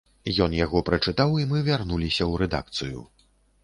Ён яго прачытаў, і мы вярнуліся ў рэдакцыю.